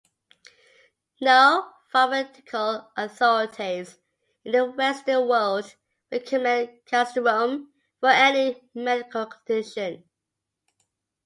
No pharmaceutical authorities in the Western world recommend castoreum for any medical condition.